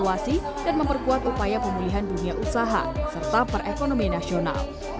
untuk memperkuat dunia usaha serta perekonomian nasional